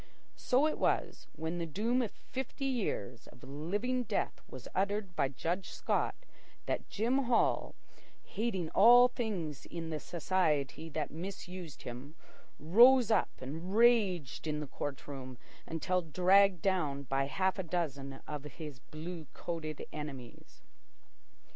So it was, when the doom of fifty years of living death was uttered by Judge Scott, that Jim Hall, hating all things in the society that misused him, rose up and raged in the court room until dragged down by half a dozen of his blue coated enemies.